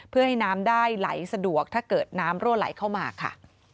เพื่อให้น้ำได้ไหลสะดวกถ้าเกิดน้ำรั่วไหลเข้ามาค่ะ